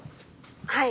はい。